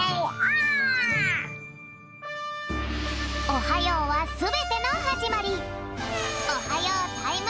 「おはよう」はすべてのはじまり。